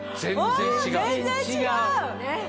全然違う！